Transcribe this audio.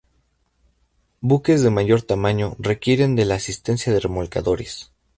Buques de mayor tamaño requieren de la asistencia de remolcadores.